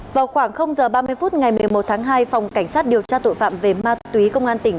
vào khoảng h ba mươi phút ngày một mươi một tháng hai phòng cảnh sát điều tra tội phạm về ma túy công an tỉnh